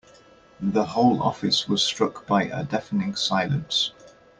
The whole office was struck by a deafening silence.